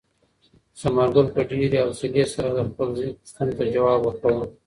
ثمرګل په ډېرې حوصلې سره د خپل زوی پوښتنو ته ځواب ورکاوه.